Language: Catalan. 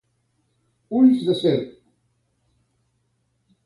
Ulls de serp.